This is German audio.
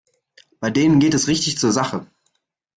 Bei denen geht es richtig zur Sache.